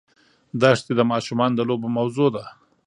دښتې د ماشومانو د لوبو موضوع ده.